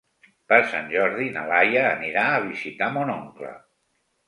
Per Sant Jordi na Laia anirà a visitar mon oncle.